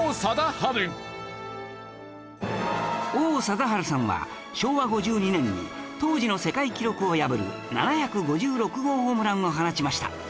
王貞治さんは昭和５２年に当時の世界記録を破る７５６号ホームランを放ちました